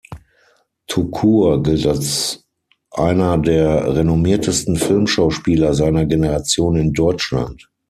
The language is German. Tukur gilt als einer der renommiertesten Filmschauspieler seiner Generation in Deutschland.